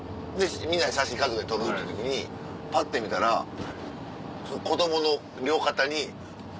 みんなで写真家族で撮るっていう時にパッて見たらその。